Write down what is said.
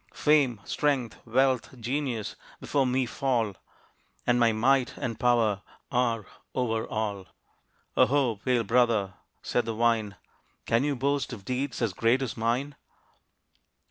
Fame, strength, wealth, genius before me fall; And my might and power are over all! Ho, ho! pale brother," said the wine, "Can you boast of deeds as great as mine?"